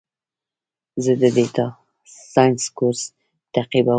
زه د ډیټا ساینس کورس تعقیبوم.